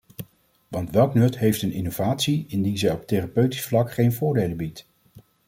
Want welk nut heeft een innovatie indien zij op therapeutisch vlak geen voordelen biedt?